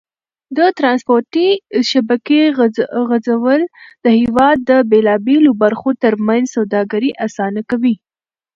د ترانسپورتي شبکې غځول د هېواد د بېلابېلو برخو تر منځ سوداګري اسانه کوي.